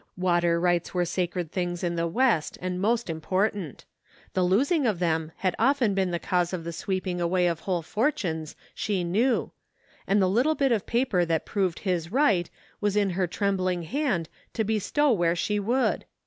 Water rights were sacred things in the west, and most important. The losing of them had often been the cause of the sweeping away of whole f ortimes she knew ; and the little bit of paper that proved his right was in her trembling hand to bestow where she would!